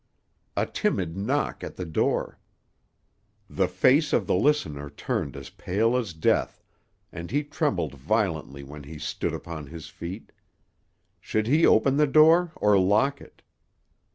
A timid knock at the door! The face of the listener turned as pale as death, and he trembled violently when he stood upon his feet. Should he open the door or lock it!